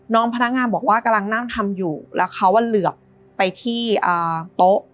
พนักงานบอกว่ากำลังนั่งทำอยู่แล้วเขาเหลือบไปที่โต๊ะ